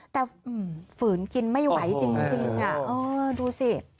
แต่ฝืนกินไม่ไหวจริงดูสิ